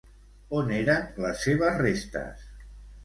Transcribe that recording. On eren les seves restes?